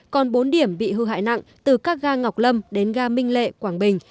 còn bốn điểm bị hư hại nặng từ các ga ngọc lâm đến ga minh lệ quảng bình